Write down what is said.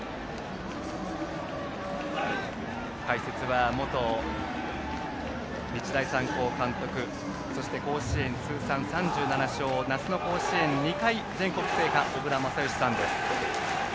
解説は元日大三高監督そして甲子園通算３７勝夏の甲子園２回、全国制覇小倉全由さんです。